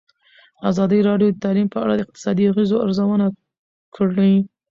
ازادي راډیو د تعلیم په اړه د اقتصادي اغېزو ارزونه کړې.